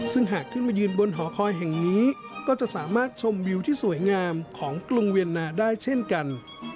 ซึ่งหากขึ้นมายืนบนหอคอยแห่งนี้ก็จะสามารถชมวิวที่สวยงามของกรุงเวียนนาได้เช่นกัน